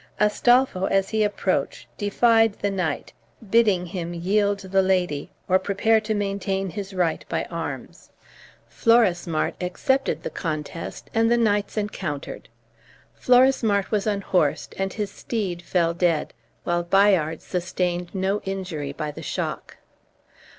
Astolpho, as he approached, defied the knight, bidding him yield the lady, or prepare to maintain his right by arms. Florismart accepted the contest, and the knights encountered. Florismart was unhorsed and his steed fell dead, while Bayard sustained no injury by the shock.